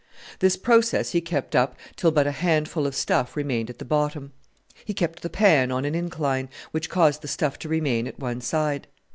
This process he kept up till but a handful of stuff remained at the bottom. He kept the pan on an incline, which caused the stuff to remain at one side.